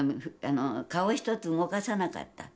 顔一つ動かさなかった。